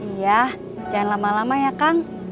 iya jangan lama lama ya kang